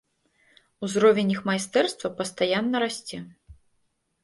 Узровень іх майстэрства пастаянна расце.